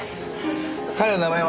彼の名前は？